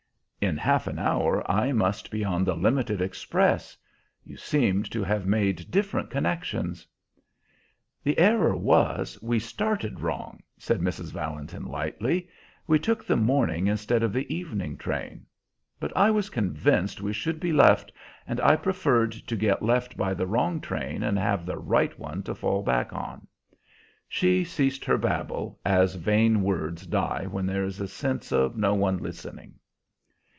"In half an hour I must be on the limited express. You seem to have made different connections." "'The error was, we started wrong,'" said Mrs. Valentin lightly. "We took the morning instead of the evening train. But I was convinced we should be left, and I preferred to get left by the wrong train and have the right one to fall back on." She ceased her babble, as vain words die when there is a sense of no one listening.